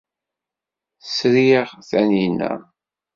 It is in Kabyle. Sriɣ Taninna.